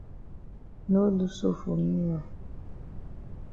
No do so for me oo.